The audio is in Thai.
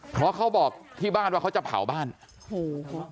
เพราะเขาบอกที่บ้านว่าเขาจะเผาบ้านโอ้โห